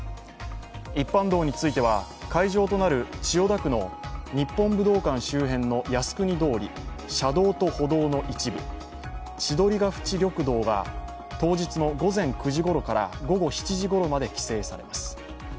一般道については、会場となる千代田区の日本武道館周辺の靖国通り、車道と歩道の一部、千鳥ヶ淵緑道が当日の午前９時ごろから午後７時ごろまで規制されます。